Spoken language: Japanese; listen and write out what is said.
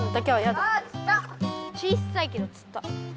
ちっさいけどつった。